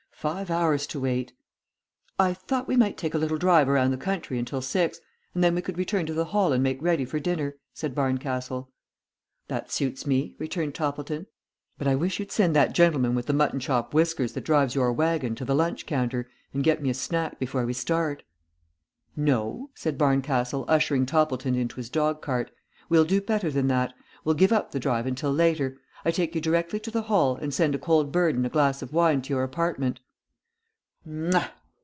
"Five hours to wait!" "I thought we might take a little drive around the country until six, and then we could return to the Hall and make ready for dinner," said Barncastle. "That suits me," returned Toppleton. "But I wish you'd send that gentleman with the mutton chop whiskers that drives your waggon to the lunch counter and get me a snack before we start." "No," said Barncastle, ushering Toppleton into his dog cart. "We'll do better than that. We'll give up the drive until later. I take you directly to the Hall, and send a cold bird and a glass of wine to your apartment."